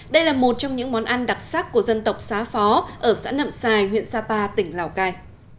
đây là một trong những món ăn đặc sắc của dân tộc xá phó ở xã nậm xài huyện sapa tỉnh lào cai